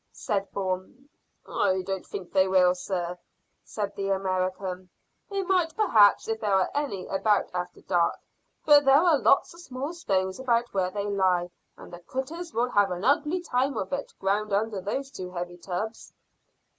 said Bourne. "I don't think they will, sir," said the American. "They might perhaps if there are any about after dark, but there are lots of small stones about where they lie, and the critters will have an ugly time of it ground under those two heavy tubs."